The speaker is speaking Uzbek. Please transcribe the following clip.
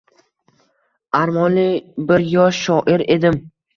Armonli bir yosh shoir edim.